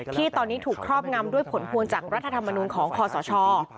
ที่ตอนนี้ถูกครอบงำด้วยผลพวงจากรัฐธรรมนูลของคอสช